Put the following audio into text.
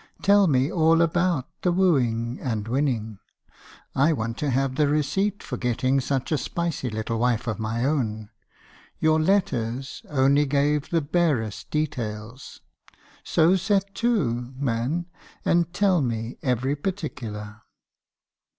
Tell me all about the wooing and winning. I want to have the receipt for getting such a spicy little wife of my own. Your letters only gave the barest details. So set to, man, and tell me every particular."